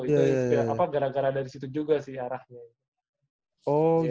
gara gara ada disitu juga sih arahnya